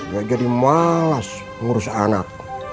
ya jadi malas ngurus anak